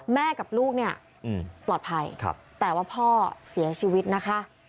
แม่กับลูกเนี่ยปลอดภัยแต่ว่าพ่อเสียชีวิตนะคะ